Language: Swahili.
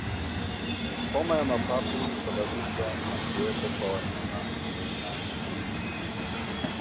Homa ya mapafu husababishwa na kuwepo kwa wanyama wenye maambukizi